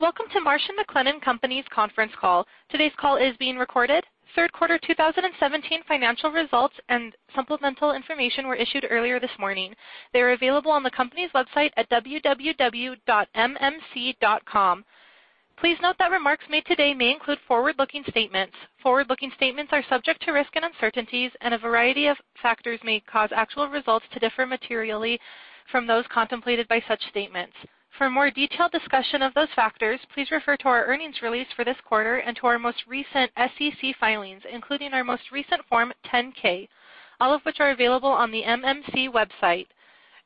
Welcome to Marsh & McLennan Companies conference call. Today's call is being recorded. Third quarter 2017 financial results and supplemental information were issued earlier this morning. They are available on the company's website at www.mmc.com. Please note that remarks made today may include forward-looking statements. Forward-looking statements are subject to risk and uncertainties, and a variety of factors may cause actual results to differ materially from those contemplated by such statements. For a more detailed discussion of those factors, please refer to our earnings release for this quarter and to our most recent SEC filings, including our most recent Form 10-K, all of which are available on the MMC website.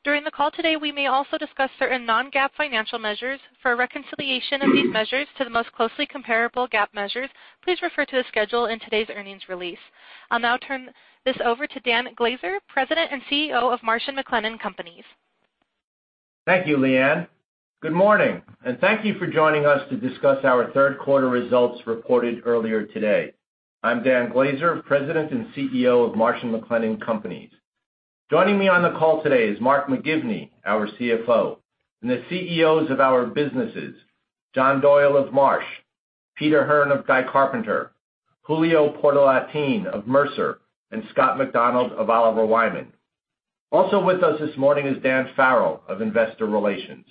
During the call today, we may also discuss certain non-GAAP financial measures. For a reconciliation of these measures to the most closely comparable GAAP measures, please refer to the schedule in today's earnings release. I'll now turn this over to Dan Glaser, President and CEO of Marsh & McLennan Companies. Thank you, [Leanne]. Good morning, and thank you for joining us to discuss our third quarter results reported earlier today. I'm Dan Glaser, President and CEO of Marsh & McLennan Companies. Joining me on the call today is Mark McGivney, our CFO, and the CEOs of our businesses, John Doyle of Marsh, Peter Hearn of Guy Carpenter, Julio Portalatin of Mercer, and Scott McDonald of Oliver Wyman. Also with us this morning is Dan Farrell of Investor Relations.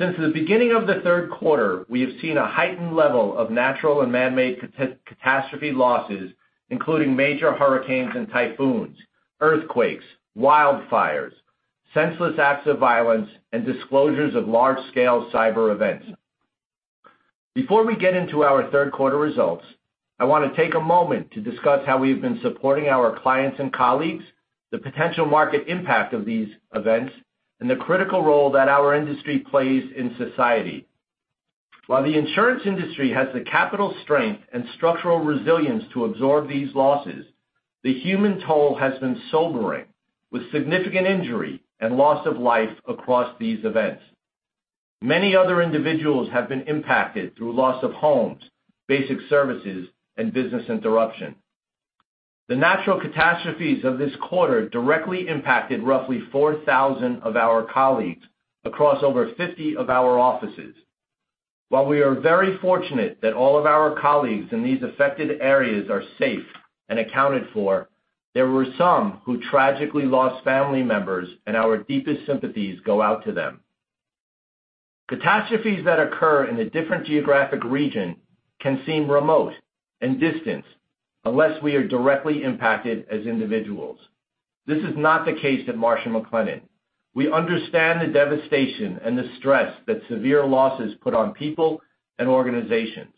Since the beginning of the third quarter, we have seen a heightened level of natural and man-made catastrophe losses, including major hurricanes and typhoons, earthquakes, wildfires, senseless acts of violence, and disclosures of large-scale cyber events. Before we get into our third quarter results, I want to take a moment to discuss how we've been supporting our clients and colleagues, the potential market impact of these events, and the critical role that our industry plays in society. While the insurance industry has the capital strength and structural resilience to absorb these losses, the human toll has been sobering, with significant injury and loss of life across these events. Many other individuals have been impacted through loss of homes, basic services, and business interruption. The natural catastrophes of this quarter directly impacted roughly 4,000 of our colleagues across over 50 of our offices. While we are very fortunate that all of our colleagues in these affected areas are safe and accounted for, there were some who tragically lost family members, and our deepest sympathies go out to them. Catastrophes that occur in a different geographic region can seem remote and distant unless we are directly impacted as individuals. This is not the case at Marsh & McLennan. We understand the devastation and the stress that severe losses put on people and organizations.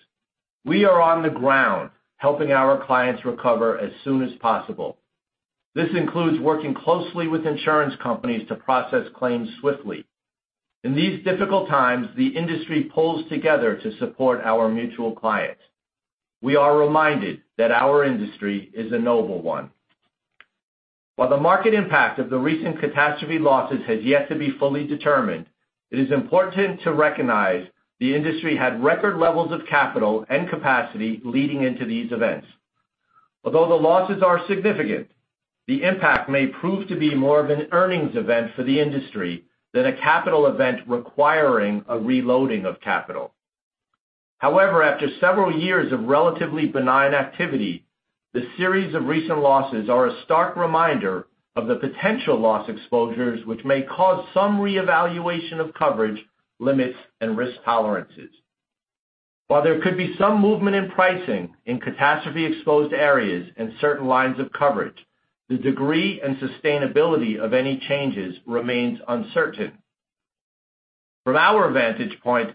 We are on the ground helping our clients recover as soon as possible. This includes working closely with insurance companies to process claims swiftly. In these difficult times, the industry pulls together to support our mutual clients. We are reminded that our industry is a noble one. While the market impact of the recent catastrophe losses has yet to be fully determined, it is important to recognize the industry had record levels of capital and capacity leading into these events. Although the losses are significant, the impact may prove to be more of an earnings event for the industry than a capital event requiring a reloading of capital. However, after several years of relatively benign activity, the series of recent losses are a stark reminder of the potential loss exposures, which may cause some reevaluation of coverage, limits, and risk tolerances. While there could be some movement in pricing in catastrophe-exposed areas and certain lines of coverage, the degree and sustainability of any changes remains uncertain. From our vantage point,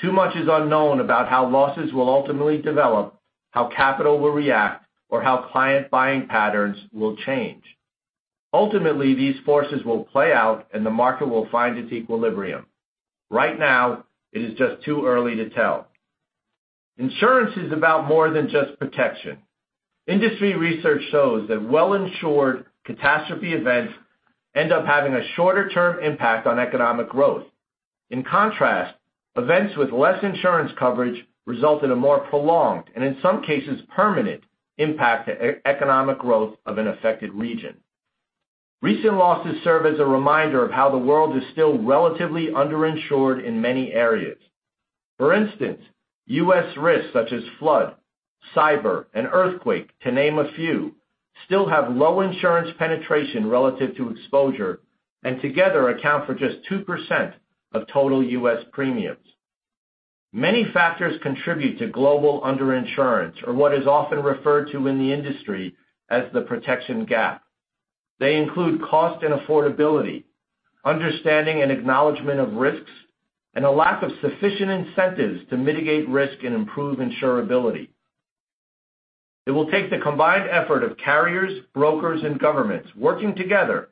too much is unknown about how losses will ultimately develop, how capital will react, or how client buying patterns will change. Ultimately, these forces will play out, and the market will find its equilibrium. Right now, it is just too early to tell. Insurance is about more than just protection. Industry research shows that well-insured catastrophe events end up having a shorter-term impact on economic growth. In contrast, events with less insurance coverage result in a more prolonged, and in some cases permanent, impact to economic growth of an affected region. Recent losses serve as a reminder of how the world is still relatively underinsured in many areas. For instance, U.S. risks such as flood, cyber, and earthquake, to name a few, still have low insurance penetration relative to exposure and together account for just 2% of total U.S. premiums. Many factors contribute to global underinsurance or what is often referred to in the industry as the protection gap. They include cost and affordability, understanding and acknowledgement of risks, and a lack of sufficient incentives to mitigate risk and improve insurability. It will take the combined effort of carriers, brokers, and governments working together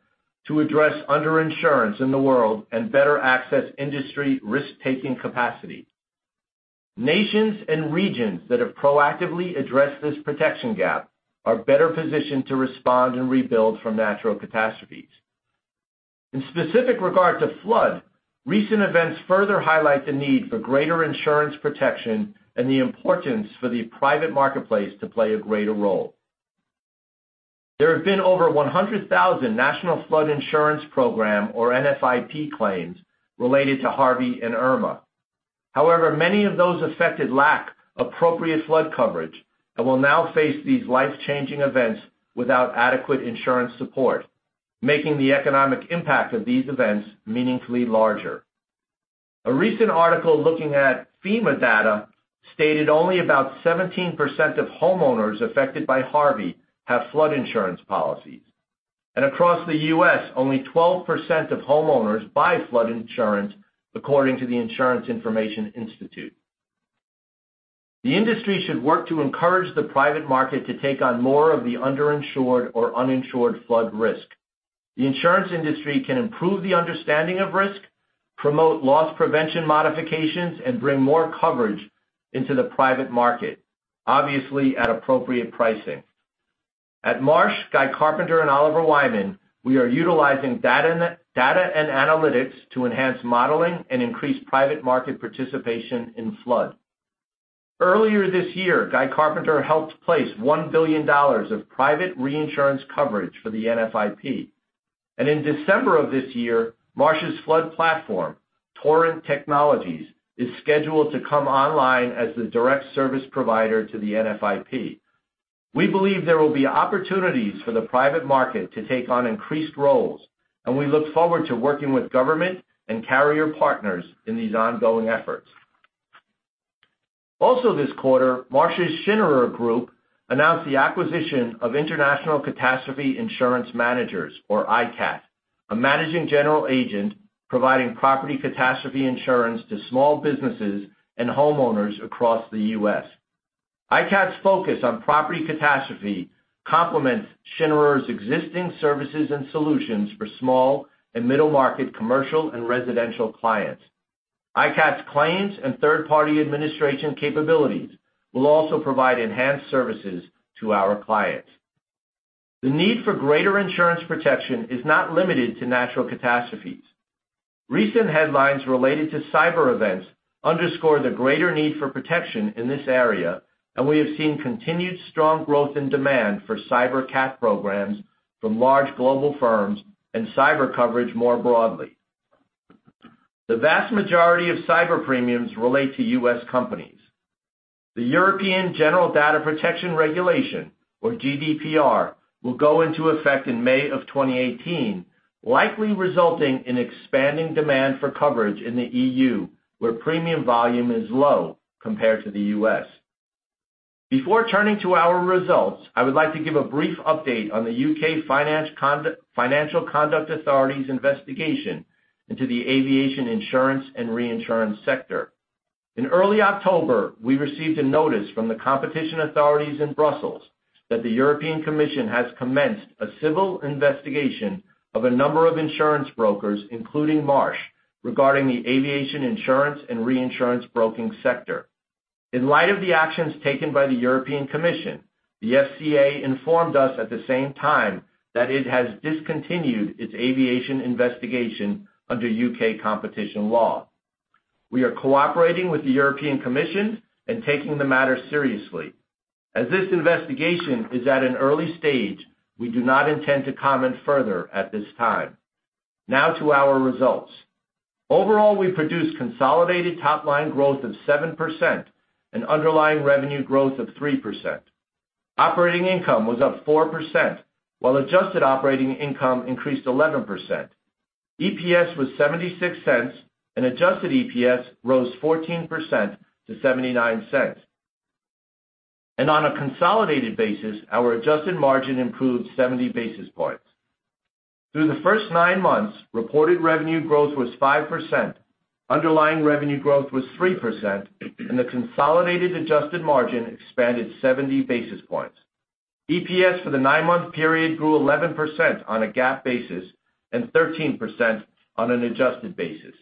to address underinsurance in the world and better access industry risk-taking capacity. Nations and regions that have proactively addressed this protection gap are better positioned to respond and rebuild from natural catastrophes. In specific regard to flood, recent events further highlight the need for greater insurance protection and the importance for the private marketplace to play a greater role. There have been over 100,000 National Flood Insurance Program, or NFIP claims related to Harvey and Irma. However, many of those affected lack appropriate flood coverage and will now face these life-changing events without adequate insurance support, making the economic impact of these events meaningfully larger. A recent article looking at FEMA data stated only about 17% of homeowners affected by Hurricane Harvey have flood insurance policies, and across the U.S., only 12% of homeowners buy flood insurance, according to the Insurance Information Institute. The industry should work to encourage the private market to take on more of the underinsured or uninsured flood risk. The insurance industry can improve the understanding of risk, promote loss prevention modifications, and bring more coverage into the private market, obviously at appropriate pricing. At Marsh, Guy Carpenter, and Oliver Wyman, we are utilizing data and analytics to enhance modeling and increase private market participation in flood. Earlier this year, Guy Carpenter helped place $1 billion of private reinsurance coverage for the NFIP. In December of this year, Marsh's flood platform, Torrent Technologies, is scheduled to come online as the direct service provider to the NFIP. We believe there will be opportunities for the private market to take on increased roles, and we look forward to working with government and carrier partners in these ongoing efforts. This quarter, Marsh's The Schinnerer Group announced the acquisition of International Catastrophe Insurance Managers, or ICAT, a managing general agent providing property catastrophe insurance to small businesses and homeowners across the U.S. ICAT's focus on property catastrophe complements The Schinnerer Group's existing services and solutions for small and middle-market commercial and residential clients. ICAT's claims and third-party administration capabilities will also provide enhanced services to our clients. The need for greater insurance protection is not limited to natural catastrophes. Recent headlines related to cyber events underscore the greater need for protection in this area, and we have seen continued strong growth in demand for cyber cat programs from large global firms and cyber coverage more broadly. The vast majority of cyber premiums relate to U.S. companies. The European General Data Protection Regulation, or GDPR, will go into effect in May of 2018, likely resulting in expanding demand for coverage in the EU, where premium volume is low compared to the U.S. Before turning to our results, I would like to give a brief update on the U.K. Financial Conduct Authority's investigation into the aviation insurance and reinsurance sector. In early October, we received a notice from the competition authorities in Brussels that the European Commission has commenced a civil investigation of a number of insurance brokers, including Marsh, regarding the aviation insurance and reinsurance broking sector. In light of the actions taken by the European Commission, the FCA informed us at the same time that it has discontinued its aviation investigation under U.K. competition law. We are cooperating with the European Commission and taking the matter seriously. As this investigation is at an early stage, we do not intend to comment further at this time. Now to our results. Overall, we produced consolidated top-line growth of 7% and underlying revenue growth of 3%. Operating income was up 4%, while adjusted operating income increased 11%. EPS was $0.76, and adjusted EPS rose 14% to $0.79. On a consolidated basis, our adjusted margin improved 70 basis points. Through the first nine months, reported revenue growth was 5%, underlying revenue growth was 3%, and the consolidated adjusted margin expanded 70 basis points. EPS for the nine-month period grew 11% on a GAAP basis and 13% on an adjusted basis.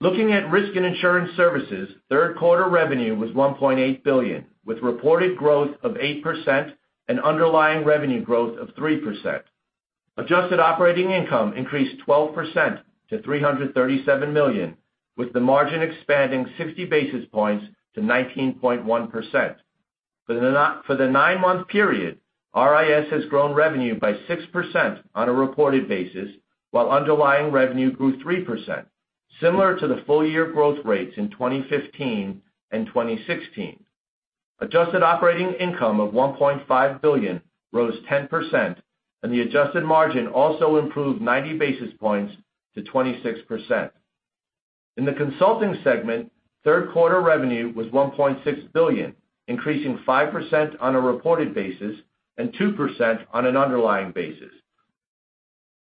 Looking at Risk and Insurance Services, third-quarter revenue was $1.8 billion, with reported growth of 8% and underlying revenue growth of 3%. Adjusted operating income increased 12% to $337 million, with the margin expanding 60 basis points to 19.1%. For the nine-month period, RIS has grown revenue by 6% on a reported basis, while underlying revenue grew 3%, similar to the full-year growth rates in 2015 and 2016. Adjusted operating income of $1.5 billion rose 10%, and the adjusted margin also improved 90 basis points to 26%. In the consulting segment, third-quarter revenue was $1.6 billion, increasing 5% on a reported basis and 2% on an underlying basis.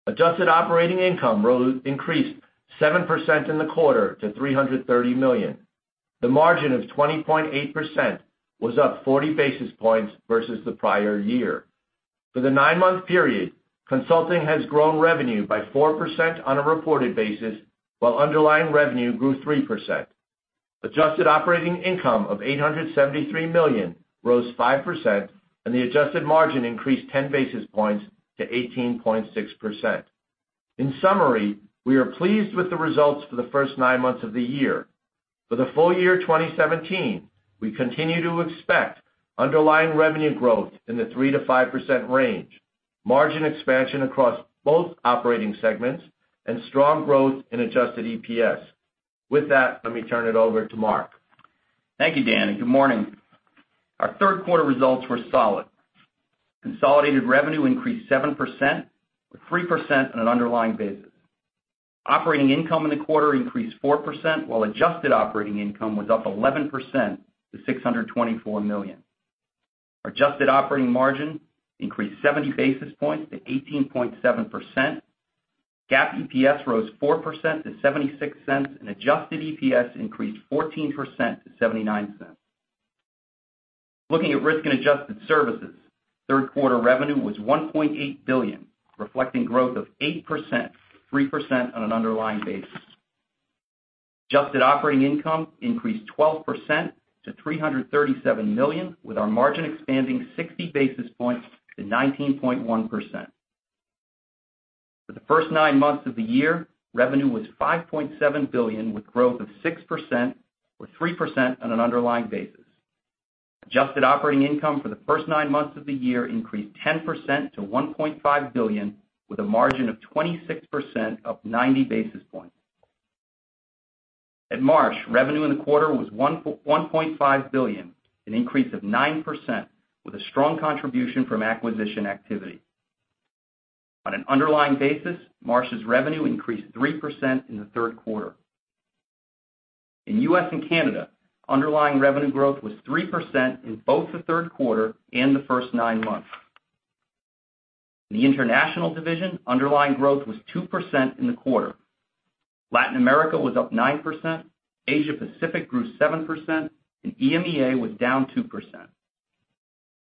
Adjusted operating income increased 7% in the quarter to $330 million. The margin of 20.8% was up 40 basis points versus the prior year. For the nine-month period, consulting has grown revenue by 4% on a reported basis, while underlying revenue grew 3%. Adjusted operating income of $873 million rose 5%, and the adjusted margin increased 10 basis points to 18.6%. In summary, we are pleased with the results for the first nine months of the year. For the full year 2017, we continue to expect underlying revenue growth in the 3%-5% range, margin expansion across both operating segments, and strong growth in adjusted EPS. With that, let me turn it over to Mark. Thank you, Dan, and good morning. Our third quarter results were solid. Consolidated revenue increased 7%, with 3% on an underlying basis. Operating income in the quarter increased 4%, while adjusted operating income was up 11% to $624 million. Our adjusted operating margin increased 70 basis points to 18.7%. GAAP EPS rose 4% to $0.76, and adjusted EPS increased 14% to $0.79. Looking at Risk and Insurance Services, third quarter revenue was $1.8 billion, reflecting growth of 8%, 3% on an underlying basis. Adjusted operating income increased 12% to $337 million, with our margin expanding 60 basis points to 19.1%. For the first nine months of the year, revenue was $5.7 billion with growth of 6%, or 3% on an underlying basis. Adjusted operating income for the first nine months of the year increased 10% to $1.5 billion, with a margin of 26%, up 90 basis points. At Marsh, revenue in the quarter was $1.5 billion, an increase of 9%, with a strong contribution from acquisition activity. On an underlying basis, Marsh's revenue increased 3% in the third quarter. In U.S. and Canada, underlying revenue growth was 3% in both the third quarter and the first nine months. In the international division, underlying growth was 2% in the quarter. Latin America was up 9%, Asia Pacific grew 7%, and EMEA was down 2%.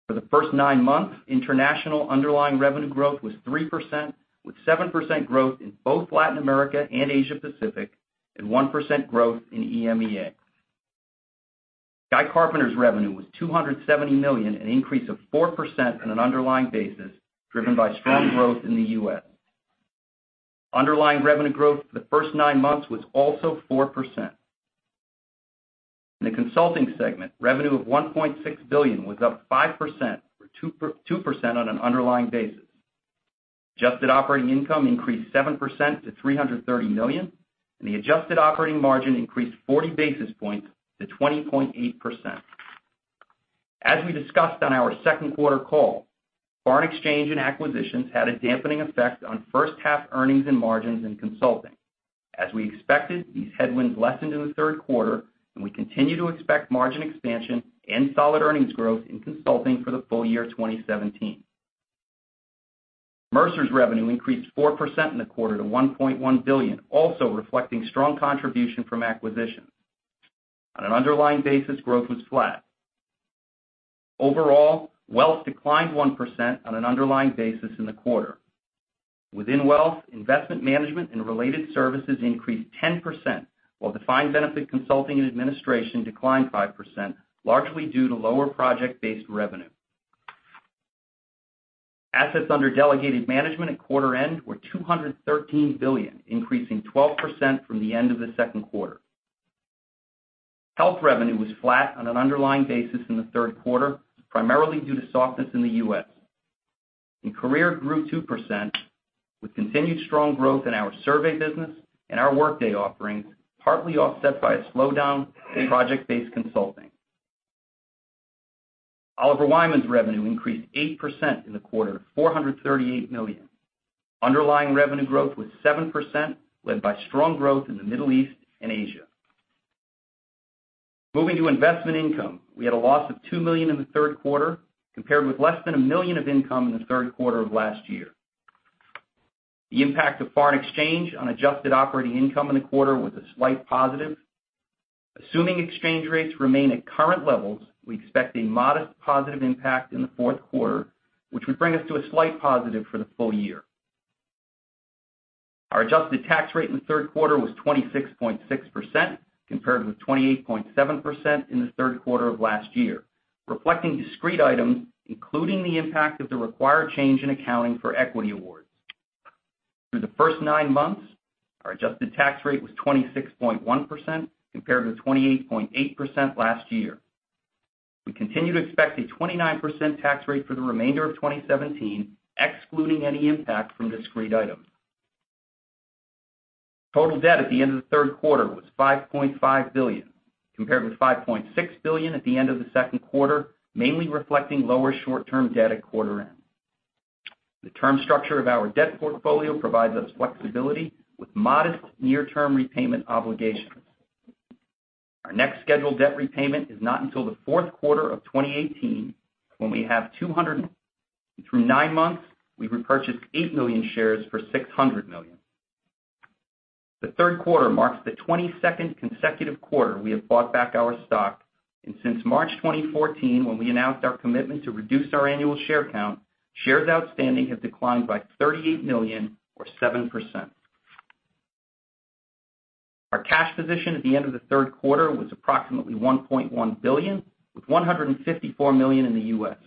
For the first nine months, international underlying revenue growth was 3%, with 7% growth in both Latin America and Asia Pacific and 1% growth in EMEA. Guy Carpenter's revenue was $270 million, an increase of 4% on an underlying basis, driven by strong growth in the U.S. Underlying revenue growth for the first nine months was also 4%. In the Consulting segment, revenue of $1.6 billion was up 5%, or 2% on an underlying basis. Adjusted operating income increased 7% to $330 million, and the adjusted operating margin increased 40 basis points to 20.8%. As we discussed on our second quarter call, foreign exchange and acquisitions had a dampening effect on first half earnings and margins in Consulting. As we expected, these headwinds lessened in the third quarter, and we continue to expect margin expansion and solid earnings growth in Consulting for the full year 2017. Mercer's revenue increased 4% in the quarter to $1.1 billion, also reflecting strong contribution from acquisitions. On an underlying basis, growth was flat. Overall, wealth declined 1% on an underlying basis in the quarter. Within wealth, investment management and related services increased 10%, while defined benefit consulting and administration declined 5%, largely due to lower project-based revenue. Assets under delegated management at quarter end were $213 billion, increasing 12% from the end of the second quarter. Health revenue was flat on an underlying basis in the third quarter, primarily due to softness in the U.S. Career grew 2%, with continued strong growth in our survey business and our Workday Solutions, partly offset by a slowdown in project-based consulting. Oliver Wyman's revenue increased 8% in the quarter to $438 million. Underlying revenue growth was 7%, led by strong growth in the Middle East and Asia. Moving to investment income, we had a loss of $2 million in the third quarter, compared with less than $1 million of income in the third quarter of last year. The impact of foreign exchange on adjusted operating income in the quarter was a slight positive. Assuming exchange rates remain at current levels, we expect a modest positive impact in the fourth quarter, which would bring us to a slight positive for the full year. Our adjusted tax rate in the third quarter was 26.6%, compared with 28.7% in the third quarter of last year, reflecting discrete items, including the impact of the required change in accounting for equity awards. Through the first nine months, our adjusted tax rate was 26.1%, compared with 28.8% last year. We continue to expect a 29% tax rate for the remainder of 2017, excluding any impact from discrete items. Total debt at the end of the third quarter was $5.5 billion, compared with $5.6 billion at the end of the second quarter, mainly reflecting lower short-term debt at quarter end. The term structure of our debt portfolio provides us flexibility with modest near-term repayment obligations. Our next scheduled debt repayment is not until the fourth quarter of 2018, when we have $200 million. Through nine months, we've repurchased 8 million shares for $600 million. The third quarter marks the 22nd consecutive quarter we have bought back our stock, and since March 2014, when we announced our commitment to reduce our annual share count, shares outstanding have declined by 38 million, or 7%. Our cash position at the end of the third quarter was approximately $1.1 billion, with $154 million in the U.S.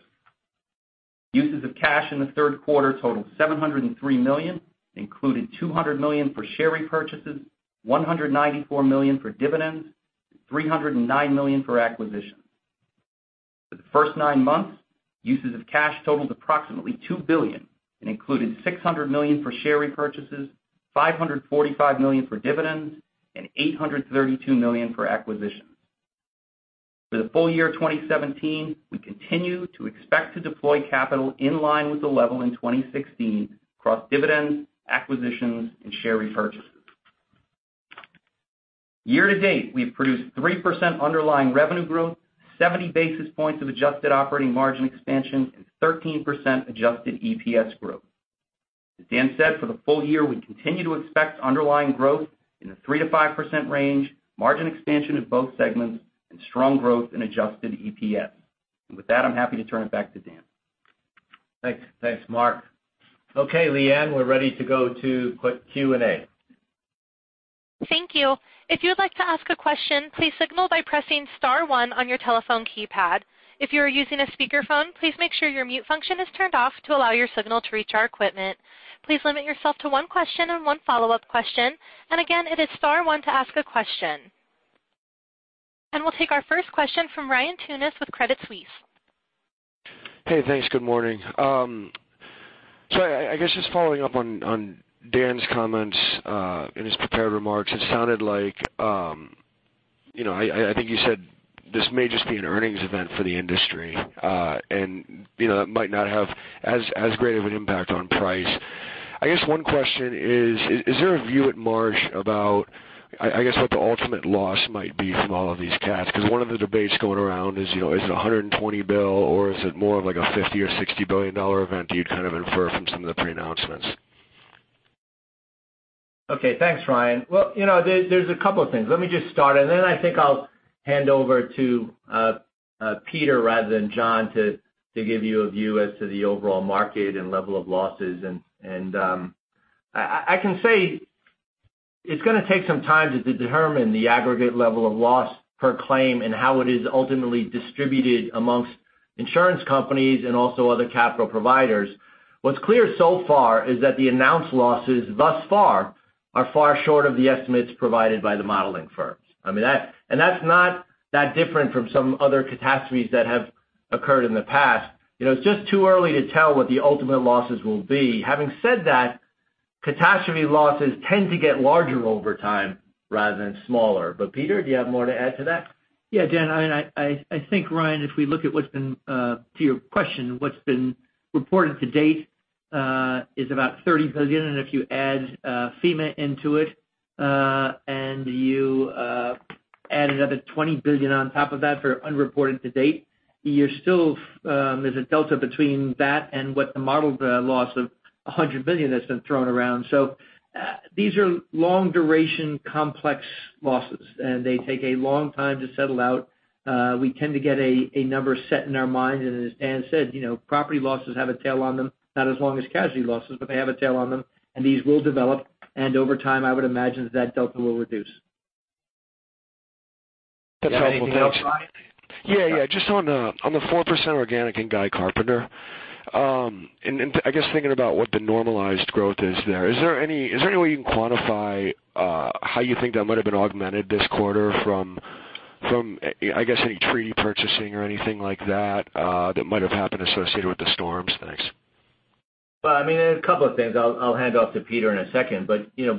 Uses of cash in the third quarter totaled $703 million, including $200 million for share repurchases, $194 million for dividends, and $309 million for acquisitions. For the first nine months, uses of cash totaled approximately $2 billion and included $600 million for share repurchases, $545 million for dividends, and $832 million for acquisitions. For the full year 2017, we continue to expect to deploy capital in line with the level in 2016 across dividends, acquisitions, and share repurchases. Year to date, we've produced 3% underlying revenue growth, 70 basis points of adjusted operating margin expansion, and 13% adjusted EPS growth. As Dan said, for the full year, we continue to expect underlying growth in the 3%-5% range, margin expansion in both segments, and strong growth in adjusted EPS. With that, I'm happy to turn it back to Dan. Thanks, Mark. Leanne, we're ready to go to Q&A. Thank you. If you would like to ask a question, please signal by pressing *1 on your telephone keypad. If you are using a speakerphone, please make sure your mute function is turned off to allow your signal to reach our equipment. Please limit yourself to one question and one follow-up question. Again, it is *1 to ask a question. We'll take our first question from Ryan Tunis with Credit Suisse. Hey, thanks. Good morning. I guess just following up on Dan's comments in his prepared remarks, it sounded like, I think you said this may just be an earnings event for the industry. That might not have as great of an impact on price. I guess one question is there a view at Marsh about, I guess, what the ultimate loss might be from all of these cats? Because one of the debates going around is it $120 billion or is it more of like a $50 billion or $60 billion event, do you kind of infer from some of the pre-announcements? Okay. Thanks, Ryan. Well, there's a couple of things. Let me just start, then I think I'll hand over to Peter rather than John to give you a view as to the overall market and level of losses. I can say it's going to take some time to determine the aggregate level of loss per claim and how it is ultimately distributed amongst insurance companies and also other capital providers. What's clear so far is that the announced losses thus far are far short of the estimates provided by the modeling firms. That's not that different from some other catastrophes that have occurred in the past. It's just too early to tell what the ultimate losses will be. Having said that, catastrophe losses tend to get larger over time rather than smaller. Peter, do you have more to add to that? Yeah, Dan, I think, Ryan, if we look at to your question, what's been reported to date is about $30 billion. If you add FEMA into it, you add another $20 billion on top of that for unreported to date, there's a delta between that and what the modeled loss of $100 billion that's been thrown around. These are long-duration, complex losses, and they take a long time to settle out. We tend to get a number set in our minds. As Dan said, property losses have a tail on them, not as long as casualty losses, but they have a tail on them, and these will develop. Over time, I would imagine that delta will reduce. Anything else, Ryan? Yeah. Just on the 4% organic in Guy Carpenter. I guess thinking about what the normalized growth is there. Is there any way you can quantify how you think that might have been augmented this quarter from, I guess, any treaty purchasing or anything like that might have happened associated with the storms? Thanks. Well, a couple of things. I'll hand off to Peter in a second.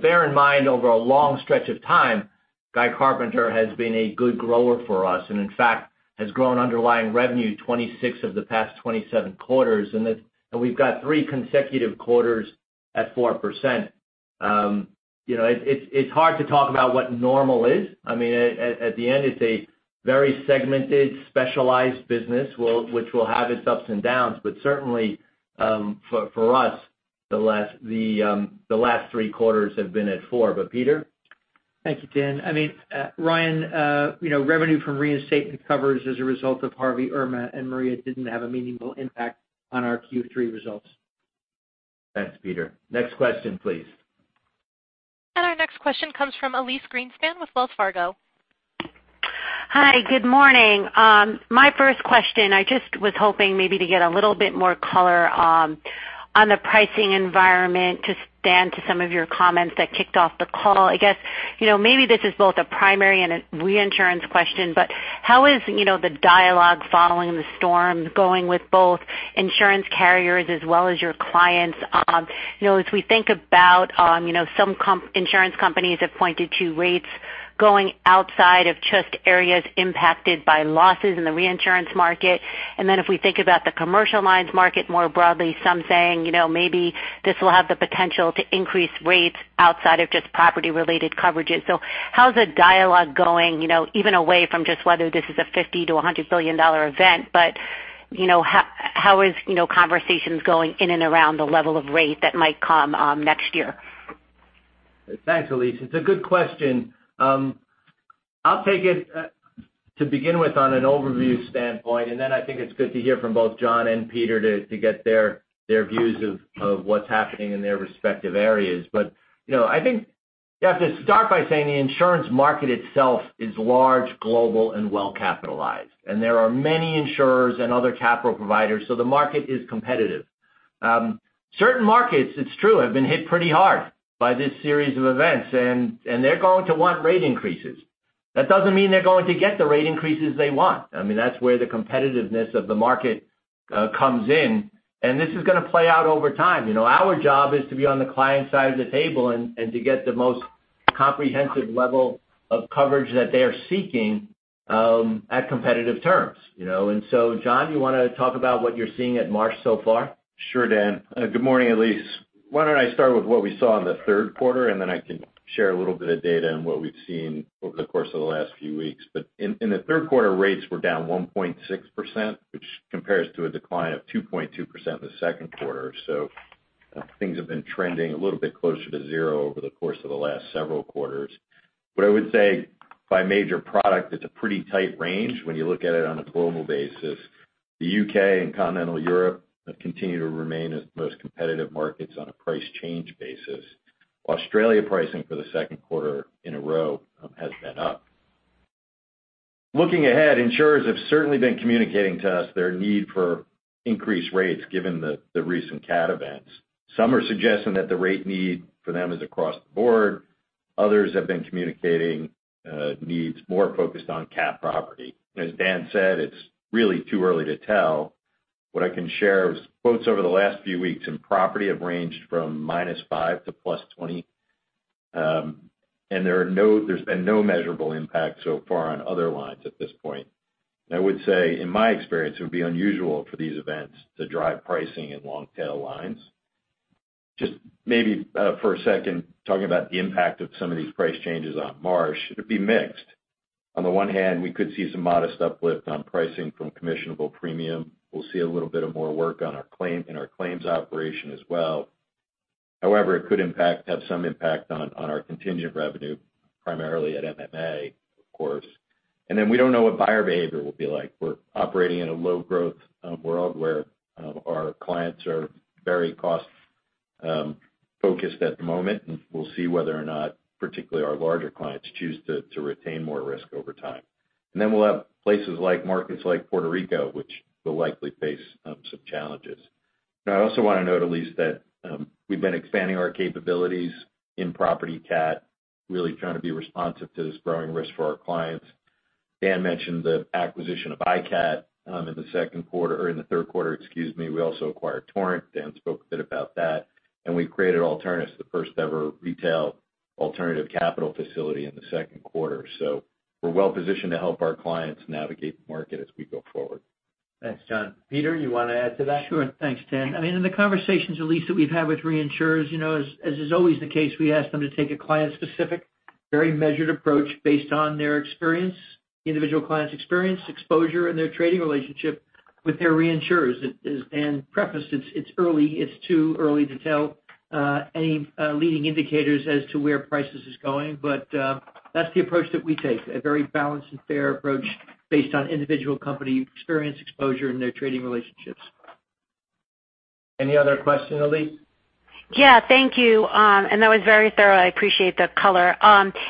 Bear in mind, over a long stretch of time, Guy Carpenter has been a good grower for us, and in fact, has grown underlying revenue 26 of the past 27 quarters, and we've got three consecutive quarters at 4%. It's hard to talk about what normal is. At the end, it's a very segmented, specialized business which will have its ups and downs, but certainly, for us, the last three quarters have been at four. Peter? Thank you, Dan. Ryan, revenue from reinsurance covers as a result of Hurricane Harvey, Hurricane Irma, and Hurricane Maria didn't have a meaningful impact on our Q3 results. Thanks, Peter. Next question, please. Our next question comes from Elyse Greenspan with Wells Fargo. Hi. Good morning. My first question, I just was hoping maybe to get a little bit more color on the pricing environment to Dan, to some of your comments that kicked off the call. I guess, maybe this is both a primary and a reinsurance question, but how is the dialogue following the storm going with both insurance carriers as well as your clients? As we think about some insurance companies have pointed to rates going outside of just areas impacted by losses in the reinsurance market. If we think about the commercial lines market more broadly, some saying maybe this will have the potential to increase rates outside of just property-related coverages. How's the dialogue going even away from just whether this is a 50 to $100 billion event, but how is conversations going in and around the level of rate that might come next year? Thanks, Elyse. It's a good question. I'll take it to begin with on an overview standpoint, I think it's good to hear from both John and Peter to get their views of what's happening in their respective areas. I think you have to start by saying the insurance market itself is large, global, and well-capitalized, there are many insurers and other capital providers, the market is competitive. Certain markets, it's true, have been hit pretty hard by this series of events, they're going to want rate increases. That doesn't mean they're going to get the rate increases they want. That's where the competitiveness of the market comes in, this is going to play out over time. Our job is to be on the client side of the table and to get the most comprehensive level of coverage that they are seeking at competitive terms. John, you want to talk about what you're seeing at Marsh so far? Sure, Dan. Good morning, Elyse. Why don't I start with what we saw in the third quarter, I can share a little bit of data on what we've seen over the course of the last few weeks. In the third quarter, rates were down 1.6%, which compares to a decline of 2.2% in the second quarter. Things have been trending a little bit closer to zero over the course of the last several quarters. What I would say, by major product, it's a pretty tight range when you look at it on a global basis. The U.K. and continental Europe have continued to remain as the most competitive markets on a price change basis. Australia pricing for the second quarter in a row has been up. Looking ahead, insurers have certainly been communicating to us their need for increased rates given the recent cat events. Some are suggesting that the rate need for them is across the board. Others have been communicating needs more focused on cat property. As Dan said, it's really too early to tell. What I can share is quotes over the last few weeks in property have ranged from -5 to +20, and there's been no measurable impact so far on other lines at this point. I would say, in my experience, it would be unusual for these events to drive pricing in long-tail lines. Just maybe for a second, talking about the impact of some of these price changes on Marsh, it'd be mixed. On the one hand, we could see some modest uplift on pricing from commissionable premium. We'll see a little bit of more work in our claims operation as well. It could have some impact on our contingent revenue, primarily at MMA, of course. We don't know what buyer behavior will be like. We're operating in a low-growth world where our clients are very cost-focused at the moment, and we'll see whether or not, particularly our larger clients choose to retain more risk over time. We'll have places like markets like Puerto Rico, which will likely face some challenges. I also want to note, Elyse, that we've been expanding our capabilities in property cat, really trying to be responsive to this growing risk for our clients. Dan mentioned the acquisition of ICAT in the third quarter. We also acquired Torrent. Dan spoke a bit about that. We've created Alterna, the first-ever retail alternative capital facility in the second quarter. We're well-positioned to help our clients navigate the market as we go forward. Thanks, John. Peter, you want to add to that? Sure. Thanks, Dan. In the conversations, Elyse, that we've had with reinsurers, as is always the case, we ask them to take a client-specific, very measured approach based on their experience, individual client's experience, exposure in their trading relationship with their reinsurers. As Dan prefaced, it's early. It's too early to tell any leading indicators as to where prices are going. That's the approach that we take, a very balanced and fair approach based on individual company experience, exposure, and their trading relationships. Any other question, Elyse? Yeah, thank you. That was very thorough. I appreciate the color.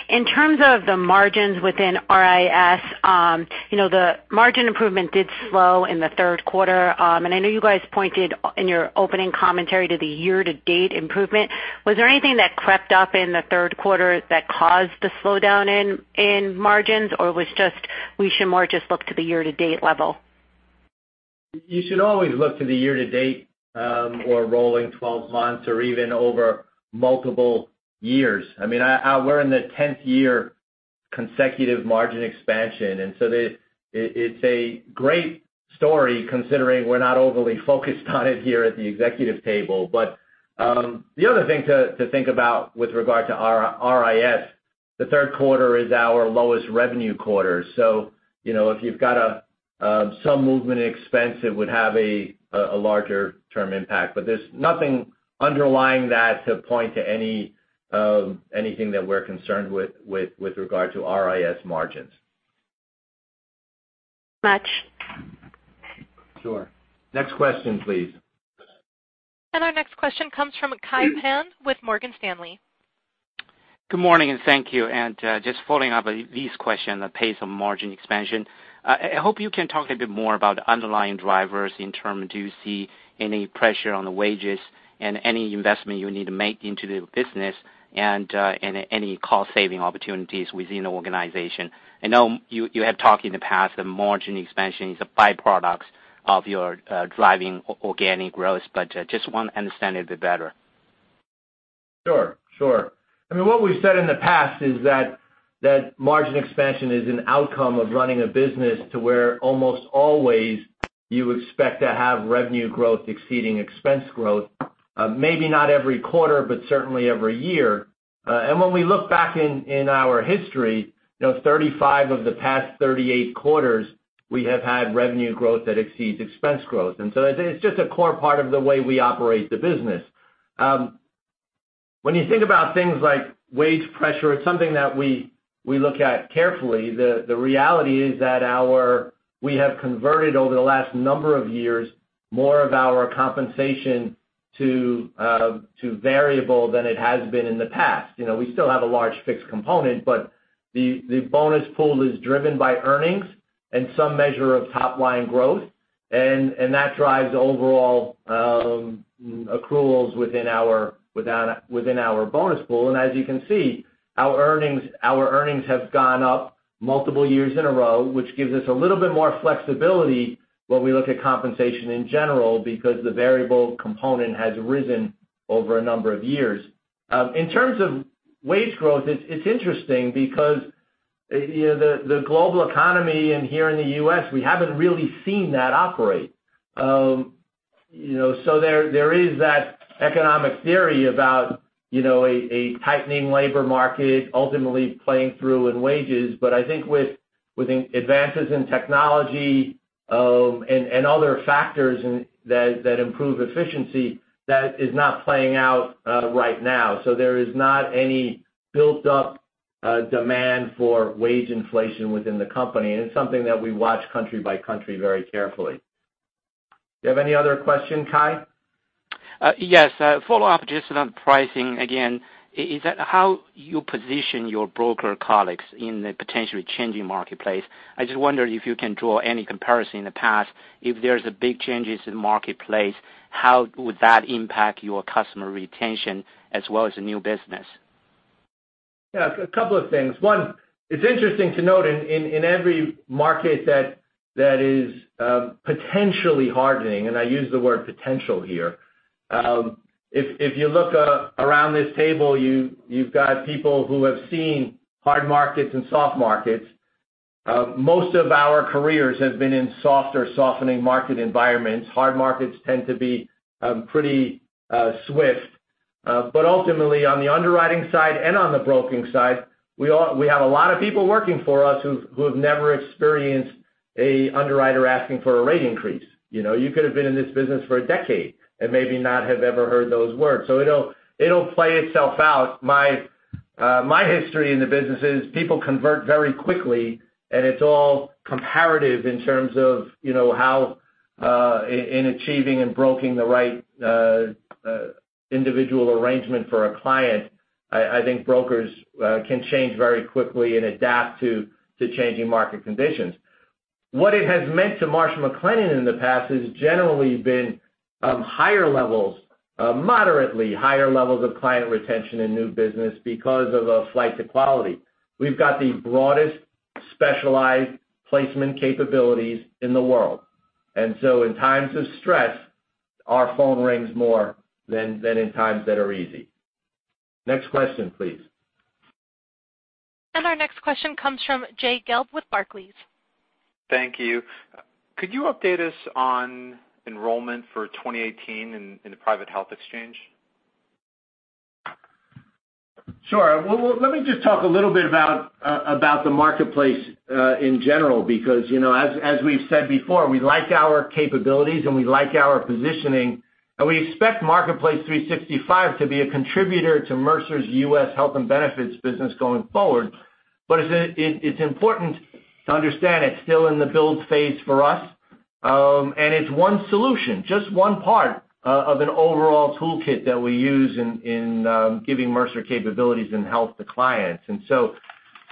In terms of the margins within RIS, the margin improvement did slow in the third quarter. I know you guys pointed in your opening commentary to the year-to-date improvement. Was there anything that crept up in the third quarter that caused the slowdown in margins, or we should more just look to the year-to-date level? You should always look to the year to date or rolling 12 months or even over multiple years. We're in the 10th year consecutive margin expansion, it's a great story considering we're not overly focused on it here at the executive table. The other thing to think about with regard to RIS, the third quarter is our lowest revenue quarter. If you've got some movement expense, it would have a larger term impact. There's nothing underlying that to point to anything that we're concerned with regard to RIS margins. Much. Sure. Next question, please. Our next question comes from Kai Pan with Morgan Stanley. Good morning, and thank you. Just following up Elyse's question on pace of margin expansion. I hope you can talk a bit more about underlying drivers in terms of do you see any pressure on the wages and any investment you need to make into the business and any cost-saving opportunities within the organization? I know you have talked in the past that margin expansion is a by-product of your driving organic growth, but just want to understand a bit better. Sure. What we've said in the past is that margin expansion is an outcome of running a business to where almost always you expect to have revenue growth exceeding expense growth. Maybe not every quarter, but certainly every year. When we look back in our history, 35 of the past 38 quarters, we have had revenue growth that exceeds expense growth. It's just a core part of the way we operate the business. When you think about things like wage pressure, it's something that we look at carefully. The reality is that we have converted over the last number of years more of our compensation to variable than it has been in the past. We still have a large fixed component, but the bonus pool is driven by earnings and some measure of top-line growth, and that drives overall accruals within our bonus pool. As you can see, our earnings have gone up multiple years in a row, which gives us a little bit more flexibility when we look at compensation in general, because the variable component has risen over a number of years. In terms of wage growth, it's interesting because the global economy and here in the U.S., we haven't really seen that operate. There is that economic theory about a tightening labor market ultimately playing through in wages. I think with advances in technology, and other factors that improve efficiency, that is not playing out right now. There is not any built-up demand for wage inflation within the company, and it's something that we watch country by country very carefully. Do you have any other question, Kai? Yes. A follow-up just on pricing again, is that how you position your broker colleagues in the potentially changing marketplace? I just wonder if you can draw any comparison in the past, if there is big changes in the marketplace, how would that impact your customer retention as well as the new business? Yeah. A couple of things. One, it is interesting to note in every market that is potentially hardening, and I use the word potential here. If you look around this table, you have got people who have seen hard markets and soft markets. Most of our careers have been in soft or softening market environments. Hard markets tend to be pretty swift. Ultimately on the underwriting side and on the broking side, we have a lot of people working for us who have never experienced an underwriter asking for a rate increase. You could have been in this business for a decade and maybe not have ever heard those words. It will play itself out. My history in the business is people convert very quickly, and it is all comparative in terms of how, in achieving and broking the right individual arrangement for a client, I think brokers can change very quickly and adapt to changing market conditions. What it has meant to Marsh & McLennan Companies in the past has generally been higher levels, moderately higher levels of client retention and new business because of a flight to quality. We have got the broadest specialized placement capabilities in the world. In times of stress, our phone rings more than in times that are easy. Next question, please. Our next question comes from Jay Gelb with Barclays. Thank you. Could you update us on enrollment for 2018 in the private health exchange? Sure. Let me just talk a little bit about the marketplace in general, because as we've said before, we like our capabilities and we like our positioning, and we expect Marketplace 365 to be a contributor to Mercer's U.S. health and benefits business going forward. It's important to understand it's still in the build phase for us, and it's one solution, just one part of an overall toolkit that we use in giving Mercer capabilities and health to clients.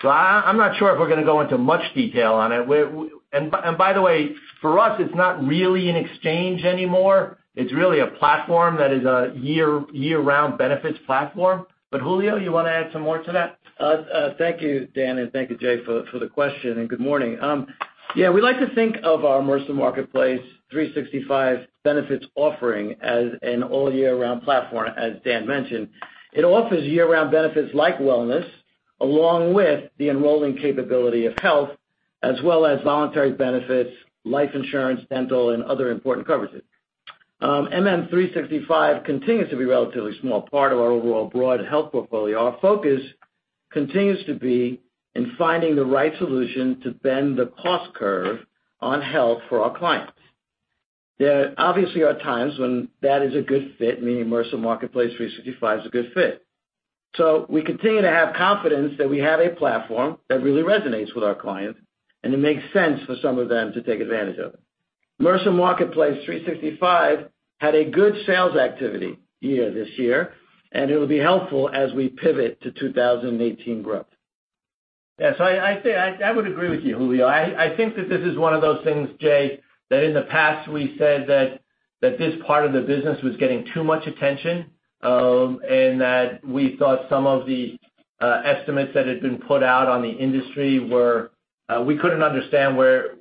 I'm not sure if we're going to go into much detail on it. By the way, for us, it's not really an exchange anymore. It's really a platform that is a year-round benefits platform. Julio, you want to add some more to that? Thank you, Dan, and thank you, Jay, for the question, and good morning. We like to think of our Mercer Marketplace 365 benefits offering as an all year-round platform, as Dan mentioned. It offers year-round benefits like wellness, along with the enrolling capability of health, as well as voluntary benefits, life insurance, dental, and other important coverages. MM365 continues to be a relatively small part of our overall broad health portfolio. Our focus continues to be in finding the right solution to bend the cost curve on health for our clients. There obviously are times when that is a good fit, meaning Mercer Marketplace 365 is a good fit. We continue to have confidence that we have a platform that really resonates with our clients, and it makes sense for some of them to take advantage of it. Mercer Marketplace 365 had a good sales activity year this year, and it will be helpful as we pivot to 2018 growth. Yes, I would agree with you, Julio. I think that this is one of those things, Jay, that in the past we said that this part of the business was getting too much attention, and that we thought some of the estimates that had been put out on the industry. We couldn't understand where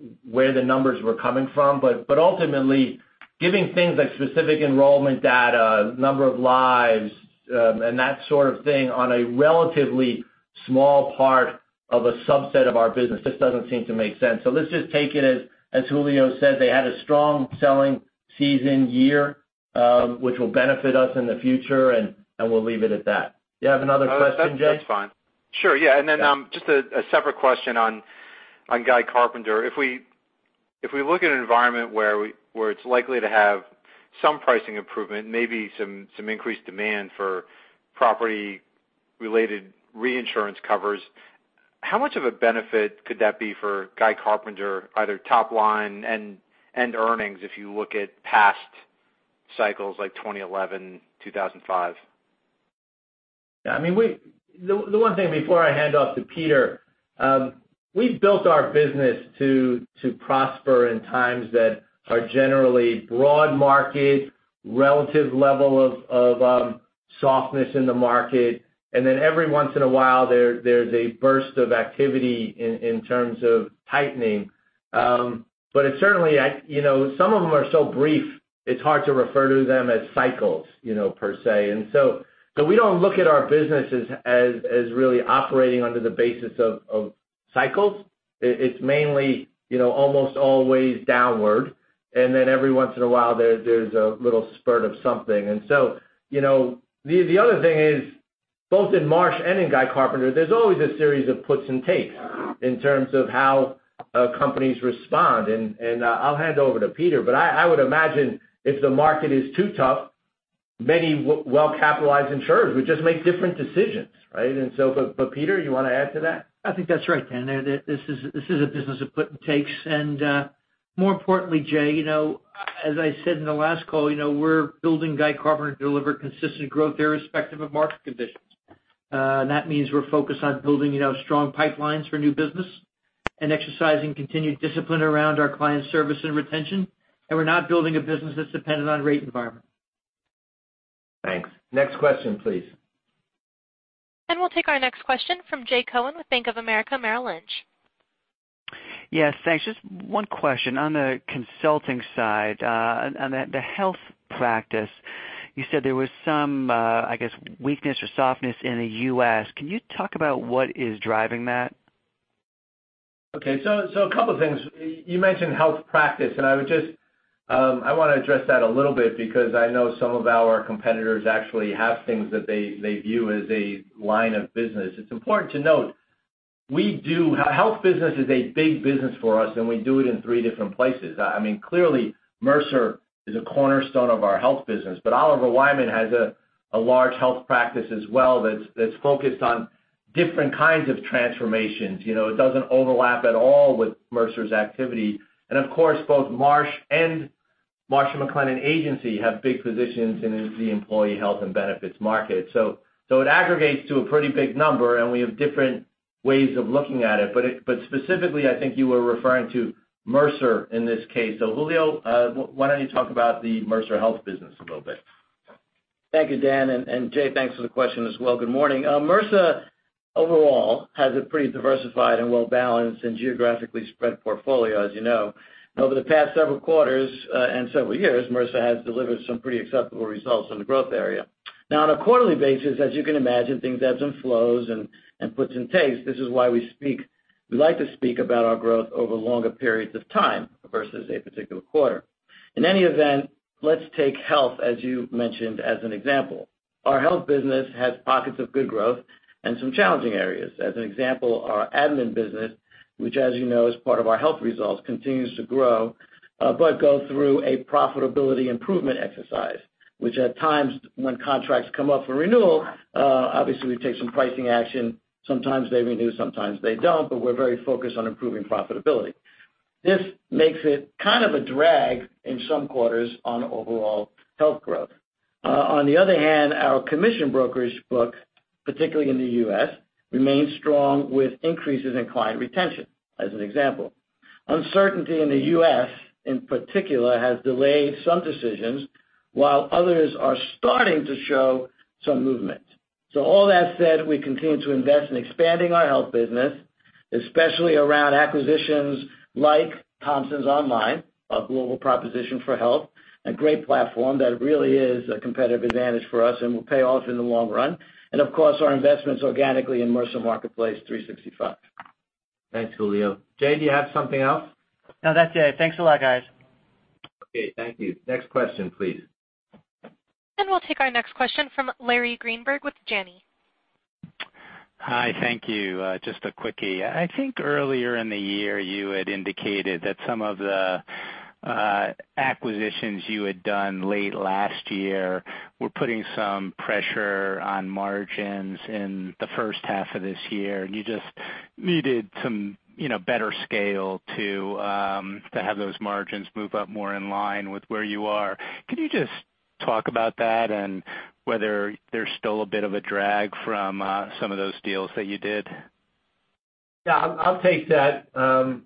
the numbers were coming from. Ultimately, giving things like specific enrollment data, number of lives, and that sort of thing on a relatively small part of a subset of our business just doesn't seem to make sense. Let's just take it, as Julio said, they had a strong selling season year, which will benefit us in the future, and we'll leave it at that. Do you have another question, Jay? That's fine. Sure, yeah. Just a separate question on Guy Carpenter. If we look at an environment where it's likely to have some pricing improvement, maybe some increased demand for property-related reinsurance covers, how much of a benefit could that be for Guy Carpenter, either top line and earnings, if you look at past cycles like 2011, 2005? The one thing before I hand off to Peter, we've built our business to prosper in times that are generally broad market, relative level of softness in the market, every once in a while, there's a burst of activity in terms of tightening. It certainly, some of them are so brief, it's hard to refer to them as cycles, per se. We don't look at our business as really operating under the basis of cycles. It's mainly, almost always downward. Every once in a while, there's a little spurt of something. The other thing is, both in Marsh and in Guy Carpenter, there's always a series of puts and takes in terms of how companies respond. I'll hand over to Peter, but I would imagine if the market is too tough, many well-capitalized insurers would just make different decisions, right? Peter, you want to add to that? I think that's right, Dan. This is a business of puts and takes. More importantly, Jay, as I said in the last call, we're building Guy Carpenter to deliver consistent growth irrespective of market conditions. That means we're focused on building strong pipelines for new business and exercising continued discipline around our client service and retention. We're not building a business that's dependent on rate environment. Thanks. Next question, please. We'll take our next question from Jay Cohen with Bank of America Merrill Lynch. Yes, thanks. Just one question. On the consulting side, on the health practice, you said there was some, I guess, weakness or softness in the U.S. Can you talk about what is driving that? A couple things. You mentioned health practice, and I want to address that a little bit because I know some of our competitors actually have things that they view as a line of business. It's important to note, health business is a big business for us, and we do it in three different places. Clearly, Mercer is a cornerstone of our health business. Oliver Wyman has a large health practice as well that's focused on different kinds of transformations. It doesn't overlap at all with Mercer's activity. Of course, both Marsh & McLennan Agency have big positions in the employee health and benefits market. It aggregates to a pretty big number, and we have different ways of looking at it. Specifically, I think you were referring to Mercer in this case. Julio, why don't you talk about the Mercer health business a little bit? Thank you, Dan, Jay, thanks for the question as well. Good morning. Mercer overall has a pretty diversified and well-balanced and geographically spread portfolio, as you know. Over the past several quarters and several years, Mercer has delivered some pretty acceptable results in the growth area. On a quarterly basis, as you can imagine, things ebbs and flows and puts and takes. This is why we like to speak about our growth over longer periods of time versus a particular quarter. In any event, let's take health, as you mentioned, as an example. Our health business has pockets of good growth and some challenging areas. As an example, our admin business, which as you know, is part of our health results, continues to grow, but go through a profitability improvement exercise, which at times when contracts come up for renewal, obviously we take some pricing action. Sometimes they renew, sometimes they don't. We're very focused on improving profitability. This makes it kind of a drag in some quarters on overall health growth. On the other hand, our commission brokerage book, particularly in the U.S., remains strong with increases in client retention, as an example. Uncertainty in the U.S., in particular, has delayed some decisions, while others are starting to show some movement. All that said, we continue to invest in expanding our health business, especially around acquisitions like Thomsons Online Benefits, our global proposition for health, a great platform that really is a competitive advantage for us and will pay off in the long run. Of course, our investments organically in Mercer Marketplace 365. Thanks, Julio. Jay, do you have something else? No, that's it. Thanks a lot, guys. Okay. Thank you. Next question, please. We'll take our next question from Larry Greenberg with Janney. Hi, thank you. Just a quickie. I think earlier in the year, you had indicated that some of the acquisitions you had done late last year were putting some pressure on margins in the first half of this year, and you just needed some better scale to have those margins move up more in line with where you are. Could you just talk about that and whether there's still a bit of a drag from some of those deals that you did? Yeah, I'll take that,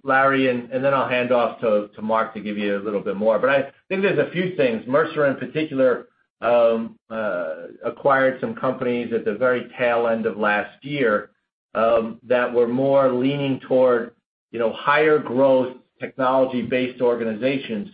Larry, then I'll hand off to Mark to give you a little bit more. I think there's a few things. Mercer, in particular, acquired some companies at the very tail end of last year that were more leaning toward higher growth technology-based organizations.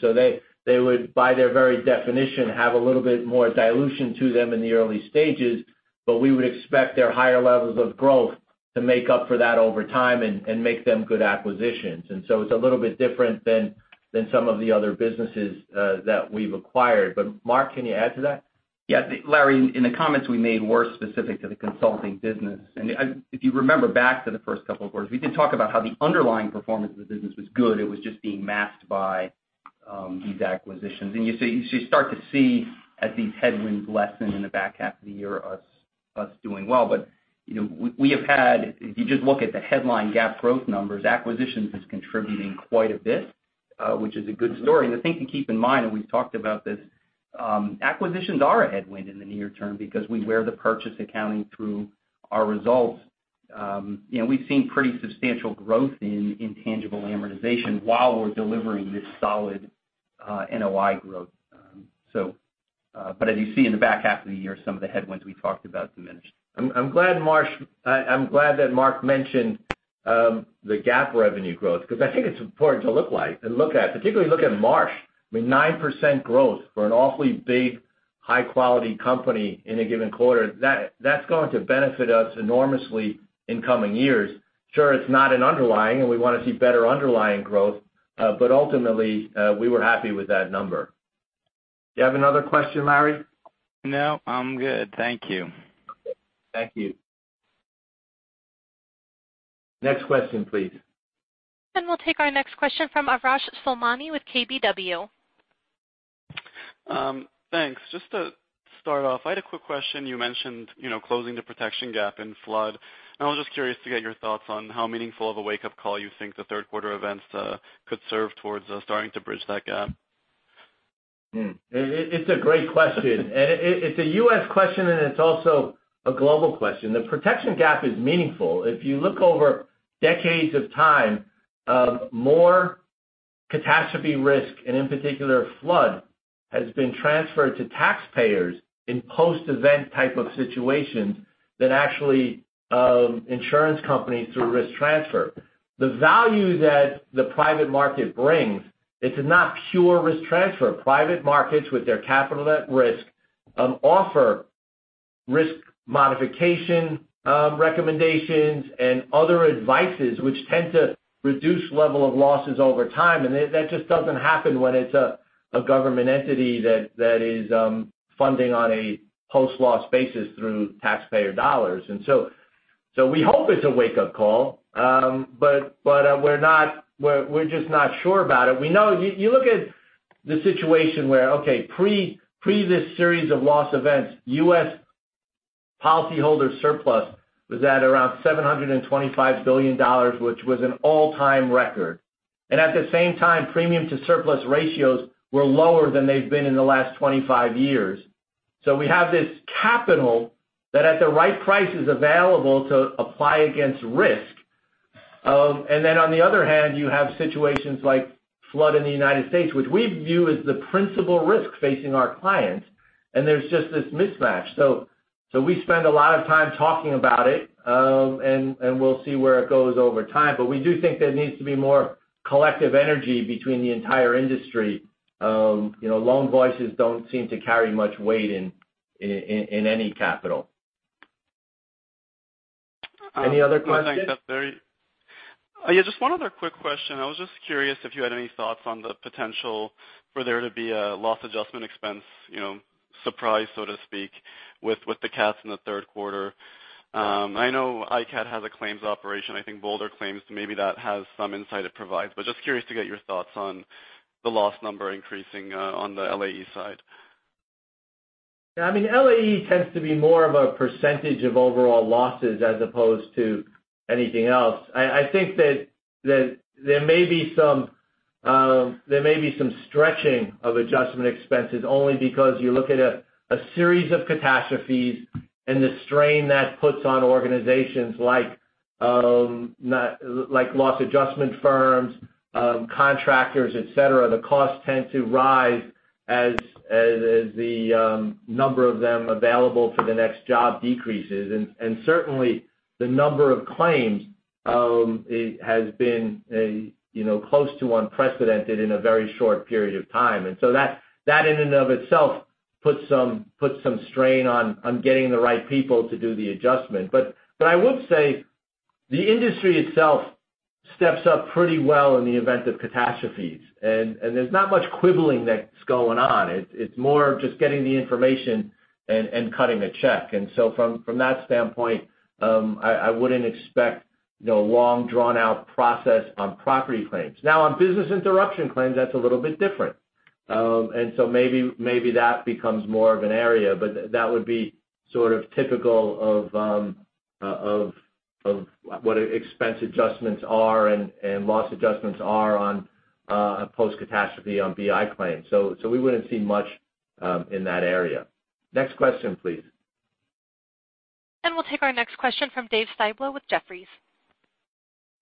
They would, by their very definition, have a little bit more dilution to them in the early stages, but we would expect their higher levels of growth to make up for that over time and make them good acquisitions. It's a little bit different than some of the other businesses that we've acquired. Mark, can you add to that? Yeah. Larry, the comments we made were specific to the consulting business. If you remember back to the first couple of quarters, we did talk about how the underlying performance of the business was good. It was just being masked by these acquisitions. You start to see as these headwinds lessen in the back half of the year, us doing well. We have had, if you just look at the headline GAAP growth numbers, acquisitions is contributing quite a bit, which is a good story. The thing to keep in mind, and we've talked about this, acquisitions are a headwind in the near term because we wear the purchase accounting through our results. We've seen pretty substantial growth in intangible amortization while we're delivering this solid NOI growth. As you see in the back half of the year, some of the headwinds we talked about diminish. I'm glad that Mark mentioned the GAAP revenue growth, because I think it's important to look at, particularly look at Marsh. 9% growth for an awfully big, high-quality company in a given quarter, that's going to benefit us enormously in coming years. Sure, it's not an underlying, and we want to see better underlying growth. Ultimately, we were happy with that number. Do you have another question, Larry? No, I'm good. Thank you. Thank you. Next question, please. We'll take our next question from Arash Soleimani with KBW. Thanks. Just to start off, I had a quick question. You mentioned closing the protection gap in flood, and I was just curious to get your thoughts on how meaningful of a wake-up call you think the third quarter events could serve towards starting to bridge that gap. It's a great question. It's a U.S. question, and it's also a global question. The protection gap is meaningful. If you look over decades of time, more catastrophe risk, and in particular flood, has been transferred to taxpayers in post-event type of situations than actually insurance companies through risk transfer. The value that the private market brings, it's not pure risk transfer. Private markets with their capital at risk offer risk modification recommendations and other advices which tend to reduce level of losses over time. That just doesn't happen when it's a government entity that is funding on a post-loss basis through taxpayer dollars. We hope it's a wake-up call. We're just not sure about it. You look at the situation where, okay, pre this series of loss events, U.S. policyholder surplus was at around $725 billion, which was an all-time record. At the same time, premium to surplus ratios were lower than they've been in the last 25 years. We have this capital that at the right price is available to apply against risk. On the other hand, you have situations like flood in the United States, which we view as the principal risk facing our clients. There's just this mismatch. We spend a lot of time talking about it. We'll see where it goes over time. We do think there needs to be more collective energy between the entire industry. Lone voices don't seem to carry much weight in any capital. Any other questions? Yeah, just one other quick question. I was just curious if you had any thoughts on the potential for there to be a loss adjustment expense surprise, so to speak, with the cats in the third quarter. I know ICAT has a claims operation. I think Boulder Claims maybe that has some insight it provides. Just curious to get your thoughts on the loss number increasing on the LAE side. LAE tends to be more of a percentage of overall losses as opposed to anything else. I think that there may be some stretching of adjustment expenses only because you look at a series of catastrophes and the strain that puts on organizations like loss adjustment firms, contractors, et cetera. The costs tend to rise as the number of them available for the next job decreases. Certainly, the number of claims has been close to unprecedented in a very short period of time. That in and of itself puts some strain on getting the right people to do the adjustment. I would say the industry itself steps up pretty well in the event of catastrophes. There's not much quibbling that's going on. It's more just getting the information and cutting the check. From that standpoint, I wouldn't expect a long drawn-out process on property claims. Now on business interruption claims, that's a little bit different. Maybe that becomes more of an area, but that would be sort of typical of what expense adjustments are and loss adjustments are on a post catastrophe on BI claims. We wouldn't see much in that area. Next question, please. We'll take our next question from Dave Styblo with Jefferies.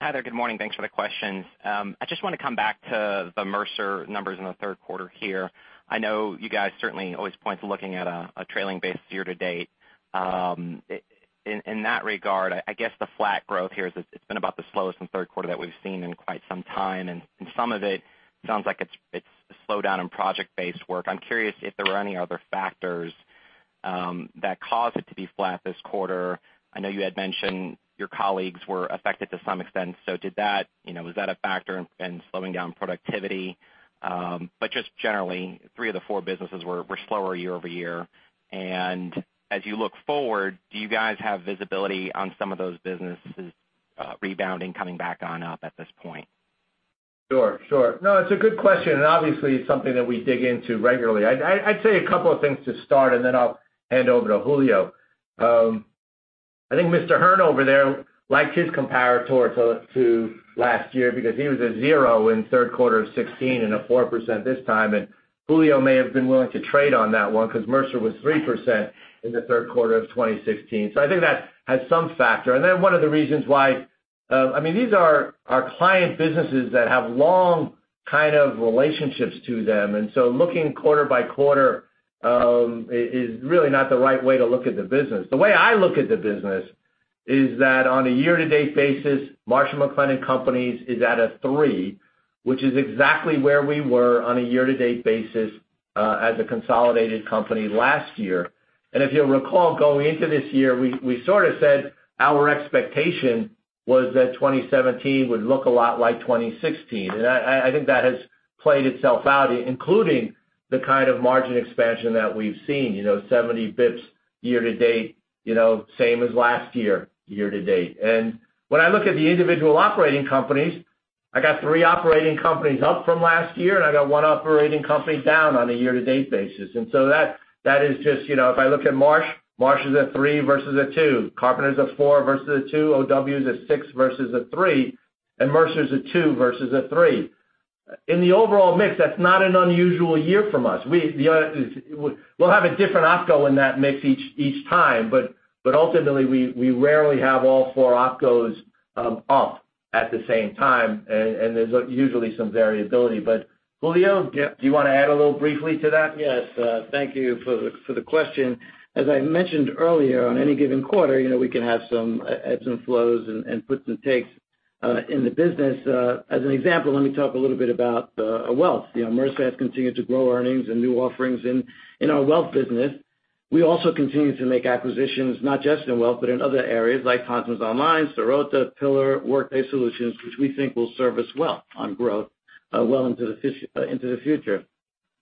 Hi there. Good morning. Thanks for the questions. I just want to come back to the Mercer numbers in the third quarter here. I know you guys certainly always point to looking at a trailing base year to date. In that regard, I guess the flat growth here, it's been about the slowest in third quarter that we've seen in quite some time, and some of it sounds like it's a slowdown in project-based work. I'm curious if there were any other factors that caused it to be flat this quarter. I know you had mentioned your colleagues were affected to some extent. Was that a factor in slowing down productivity? Just generally, three of the four businesses were slower year-over-year. As you look forward, do you guys have visibility on some of those businesses rebounding, coming back on up at this point? Sure. No, it's a good question, obviously it's something that we dig into regularly. I'd say a couple of things to start, then I'll hand over to Julio. I think Mr. Hearn over there liked his comparator to last year because he was a zero in third quarter of 2016 and a 4% this time, Julio may have been willing to trade on that one because Mercer was 3% in the third quarter of 2016. I think that has some factor. One of the reasons why these are our client businesses that have long kind of relationships to them. So looking quarter by quarter is really not the right way to look at the business. The way I look at the business is that on a year-to-date basis, Marsh & McLennan Companies is at a three, which is exactly where we were on a year-to-date basis as a consolidated company last year. If you'll recall, going into this year, we sort of said our expectation was that 2017 would look a lot like 2016. I think that has played itself out, including the kind of margin expansion that we've seen, 70 basis points year to date, same as last year to date. When I look at the individual operating companies, I got three operating companies up from last year, and I got one operating company down on a year-to-date basis. That is just, if I look at Marsh is a three versus a two. Carpenter's a four versus a two. OW is a six versus a three, Mercer's a two versus a three. In the overall mix, that's not an unusual year from us. We'll have a different opco in that mix each time, ultimately, we rarely have all four opcos off at the same time, and there's usually some variability. Julio? Yes. Do you want to add a little briefly to that? Yes. Thank you for the question. As I mentioned earlier, on any given quarter, we can have some ebbs and flows and puts and takes in the business. As an example, let me talk a little bit about wealth. Mercer has continued to grow earnings and new offerings in our wealth business. We also continue to make acquisitions, not just in wealth, but in other areas like Thomsons Online Benefits, Sirota, Pillar, Workday Solutions, which we think will serve us well on growth well into the future.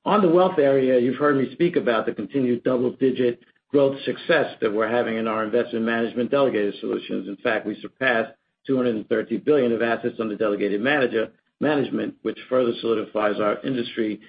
On the wealth area, you've heard me speak about the continued double-digit growth success that we're having in our investment management delegated solutions. In fact, we surpassed $230 billion of assets under delegated management, which further solidifies our industry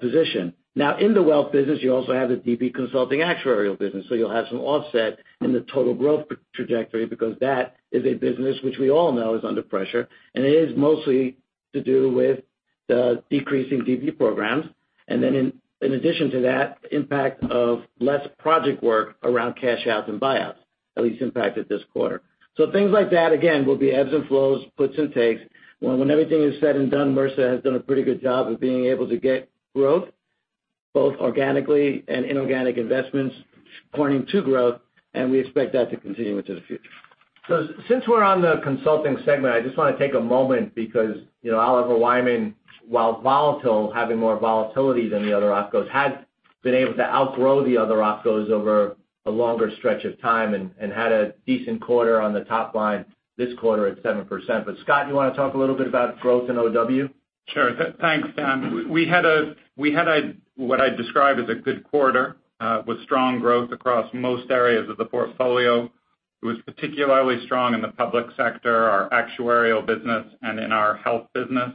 position. In the wealth business, you also have the DB consulting actuarial business, so you'll have some offset in the total growth trajectory because that is a business which we all know is under pressure, and it is mostly to do with the decreasing DB programs. In addition to that, impact of less project work around cash outs and buyouts, at least impacted this quarter. Things like that, again, will be ebbs and flows, puts and takes. When everything is said and done, Mercer has done a pretty good job of being able to get growth, both organically and inorganic investments pointing to growth, and we expect that to continue into the future. Since we're on the consulting segment, I just want to take a moment because Oliver Wyman, while volatile, having more volatility than the other opcos, has been able to outgrow the other opcos over a longer stretch of time and had a decent quarter on the top line this quarter at 7%. Scott, you want to talk a little bit about growth in OW? Sure. Thanks, Dan. We had what I'd describe as a good quarter with strong growth across most areas of the portfolio. It was particularly strong in the public sector, our actuarial business, and in our health business.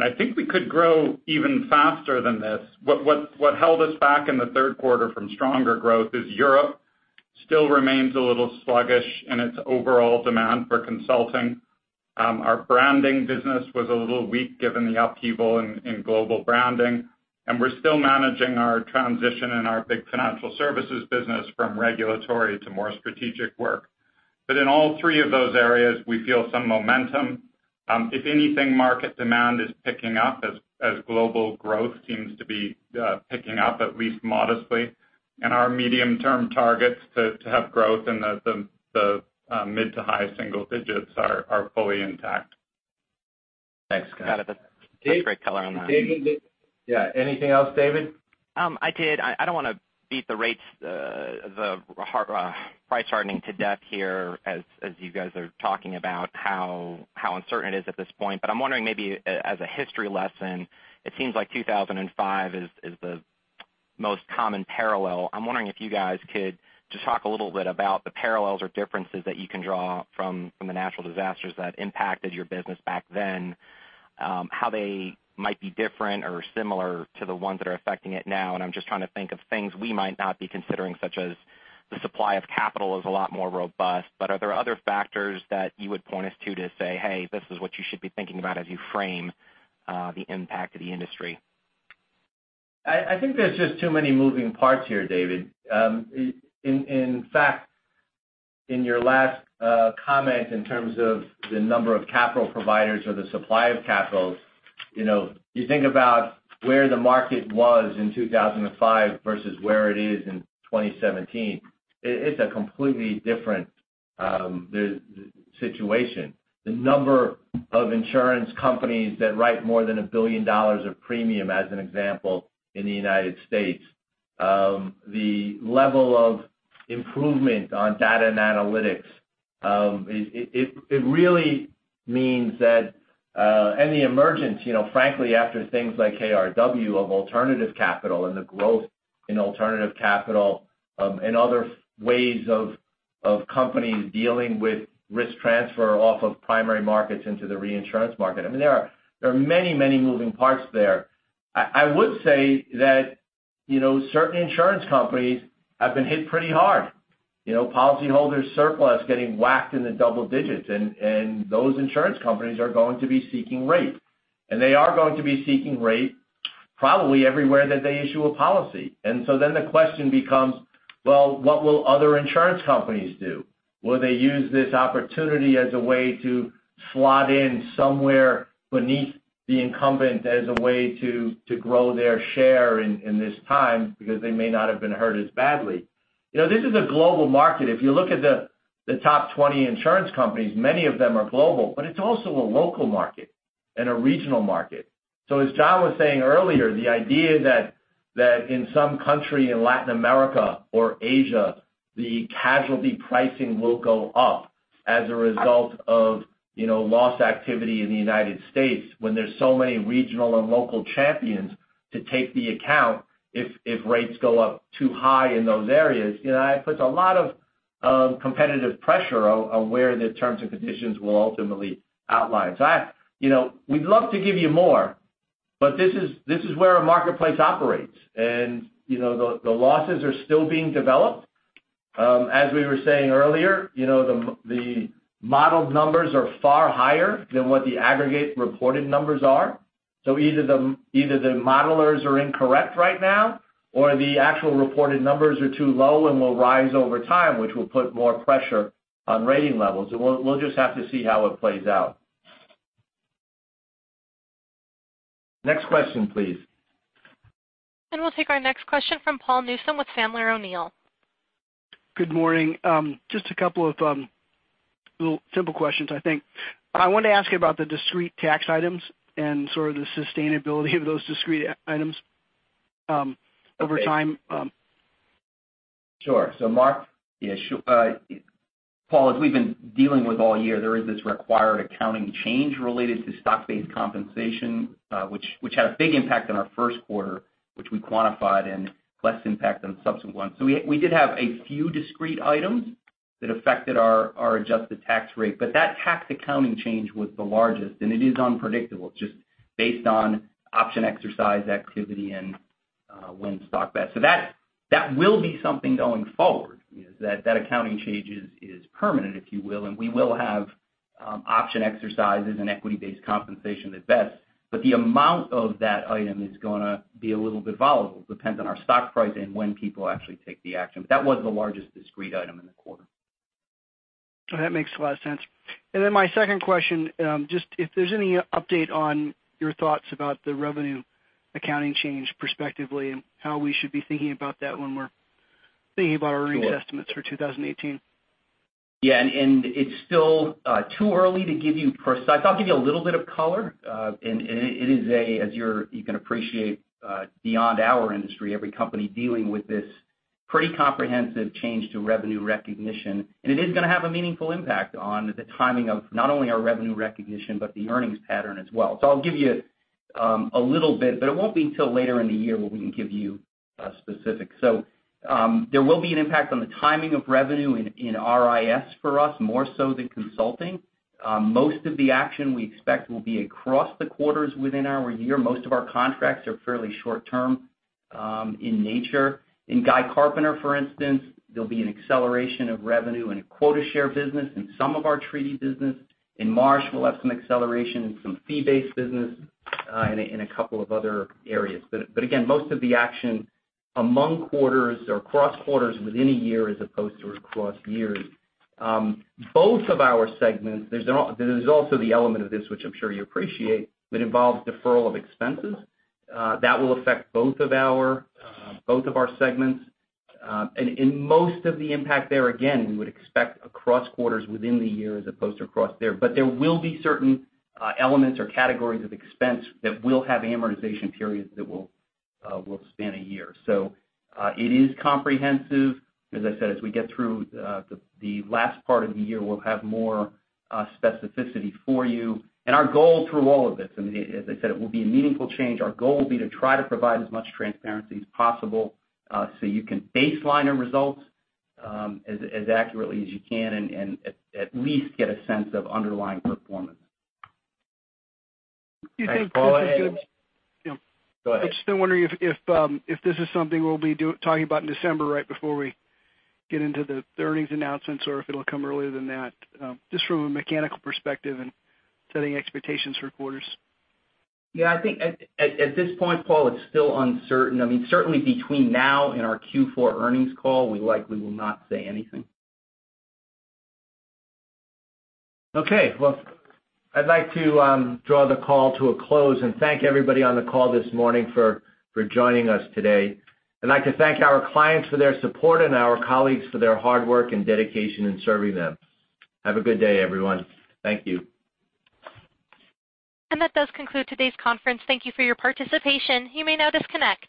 I think we could grow even faster than this. What held us back in the third quarter from stronger growth is Europe still remains a little sluggish in its overall demand for consulting. Our branding business was a little weak given the upheaval in global branding, and we're still managing our transition in our big financial services business from regulatory to more strategic work. In all three of those areas, we feel some momentum. If anything, market demand is picking up as global growth seems to be picking up, at least modestly. Our medium-term targets to have growth in the mid to high single digits are fully intact. Thanks, Scott. That's great color on that. David? Yeah, anything else, David? I did. I don't want to beat the rates, the price hardening to death here as you guys are talking about how uncertain it is at this point. I'm wondering maybe as a history lesson, it seems like 2005 is the most common parallel. I'm wondering if you guys could just talk a little bit about the parallels or differences that you can draw from the natural disasters that impacted your business back then, how they might be different or similar to the ones that are affecting it now. I'm just trying to think of things we might not be considering, such as the supply of capital is a lot more robust, but are there other factors that you would point us to say, "Hey, this is what you should be thinking about as you frame the impact of the industry. I think there's just too many moving parts here, David. In fact, in your last comment in terms of the number of capital providers or the supply of capital, you think about where the market was in 2005 versus where it is in 2017. It's a completely different situation. The number of insurance companies that write more than $1 billion of premium, as an example, in the U.S. The level of improvement on data and analytics, it really means that any emergence, frankly, after things like KRW of alternative capital and the growth in alternative capital and other ways of companies dealing with risk transfer off of primary markets into the reinsurance market. I mean, there are many, many moving parts there. I would say that certain insurance companies have been hit pretty hard. Policyholders surplus getting whacked in the double digits, those insurance companies are going to be seeking rate. They are going to be seeking rate probably everywhere that they issue a policy. The question becomes, well, what will other insurance companies do? Will they use this opportunity as a way to slot in somewhere beneath the incumbent as a way to grow their share in this time because they may not have been hurt as badly? This is a global market. If you look at the top 20 insurance companies, many of them are global, but it's also a local market and a regional market. As John was saying earlier, the idea that in some country in Latin America or Asia, the casualty pricing will go up as a result of loss activity in the U.S. when there's so many regional and local champions to take the account if rates go up too high in those areas. That puts a lot of competitive pressure on where the terms and conditions will ultimately outline. We'd love to give you more, but this is where a marketplace operates, and the losses are still being developed. As we were saying earlier, the modeled numbers are far higher than what the aggregate reported numbers are. Either the modelers are incorrect right now, or the actual reported numbers are too low and will rise over time, which will put more pressure on rating levels. We'll just have to see how it plays out. Next question, please. We'll take our next question from Paul Newsome with Sandler O'Neill. Good morning. Just a couple of little simple questions, I think. I wanted to ask you about the discrete tax items and sort of the sustainability of those discrete items over time. Sure. Mark? Yeah, sure. Paul, as we've been dealing with all year, there is this required accounting change related to stock-based compensation which had a big impact on our first quarter, which we quantified, and less impact on subsequent. We did have a few discrete items that affected our adjusted tax rate, but that tax accounting change was the largest, and it is unpredictable just based on option exercise activity and when stock vests. That will be something going forward, is that accounting change is permanent, if you will, and we will have option exercises and equity-based compensation that vests. The amount of that item is going to be a little bit volatile. Depends on our stock price and when people actually take the action. That was the largest discrete item in the quarter. That makes a lot of sense. My second question, just if there's any update on your thoughts about the revenue accounting change prospectively and how we should be thinking about that when we're thinking about our earnings estimates for 2018. Yeah. It's still too early to give you precise. I'll give you a little bit of color. It is a, as you can appreciate, beyond our industry, every company dealing with this pretty comprehensive change to revenue recognition. It is going to have a meaningful impact on the timing of not only our revenue recognition, but the earnings pattern as well. I'll give you a little bit, but it won't be until later in the year where we can give you a specific. There will be an impact on the timing of revenue in RIS for us, more so than consulting. Most of the action we expect will be across the quarters within our year. Most of our contracts are fairly short term in nature. In Guy Carpenter, for instance, there will be an acceleration of revenue in a quota share business in some of our treaty business. In Marsh, we will have some acceleration in some fee-based business in a couple of other areas. Again, most of the action among quarters or cross quarters within a year as opposed to across years. Both of our segments, there is also the element of this, which I am sure you appreciate, that involves deferral of expenses. That will affect both of our segments. In most of the impact there, again, we would expect across quarters within the year as opposed to across there. There will be certain elements or categories of expense that will have amortization periods that will span a year. It is comprehensive. As I said, as we get through the last part of the year, we will have more specificity for you. Our goal through all of this, as I said, it will be a meaningful change. Our goal will be to try to provide as much transparency as possible so you can baseline our results as accurately as you can and at least get a sense of underlying performance. You think- Go ahead. I'm just wondering if this is something we'll be talking about in December right before we get into the earnings announcements or if it'll come earlier than that, just from a mechanical perspective and setting expectations for quarters. Yeah, I think at this point, Paul, it's still uncertain. I mean, certainly between now and our Q4 earnings call, we likely will not say anything. Okay. Well, I'd like to draw the call to a close and thank everybody on the call this morning for joining us today. I'd like to thank our clients for their support and our colleagues for their hard work and dedication in serving them. Have a good day, everyone. Thank you. That does conclude today's conference. Thank you for your participation. You may now disconnect.